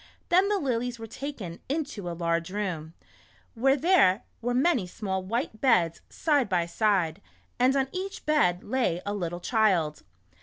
Then the lilies were taken into a large room, where there were many small white beds, side by side, and on each bed lay a little child.